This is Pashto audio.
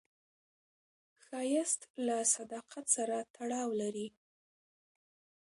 ښایست له صداقت سره تړاو لري